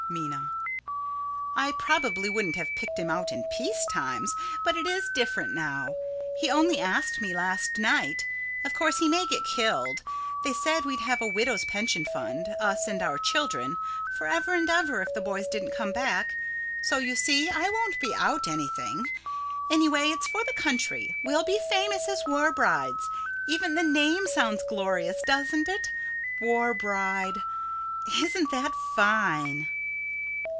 Minna: I probably wouldn't have picked him out in peace times, but it is different now. He only asked me last night. Of course he may get killed. They said we'd have a widow's pension fund, us and our children, forever and ever, if the boys didn't come back. So, you see, I won't be out anything. Anyway, it's for the country. We'll be famous, as war brides. Even the name sounds glorious, doesn't it? War bride! Isn't that fine?